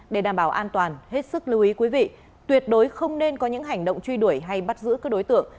để đảm bảo an toàn hết sức lưu ý quý vị tuyệt đối không nên có những hành động truy đuổi hay bắt giữ các đối tượng